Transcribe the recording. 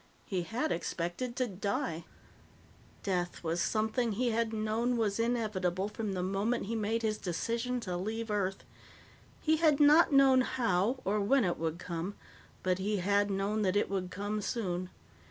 He had expected to die. Death was something he had known was inevitable from the moment he made his decision to leave Earth. He had not known how or when it would come, but he had known that it would come soon.